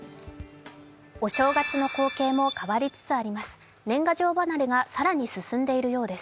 お正月の光景も変わりつつあります。